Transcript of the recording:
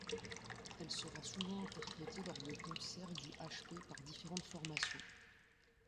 Elle sera souvent interprétée lors de concerts du H!P par différentes formations.